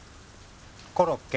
コロッケ。